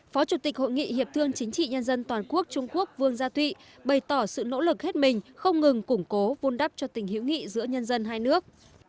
phó chủ tịch hội nghị hiệp thương chính trị nhân dân toàn quốc trung quốc vương gia thụy bày tỏ sự nỗ lực hết mình không ngừng củng cố vun đắp cho tình hữu nghị giữa nhân dân hai nước